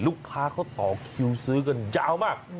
ลูกค้าเขาต่อคิวซื้อกันยาวมาก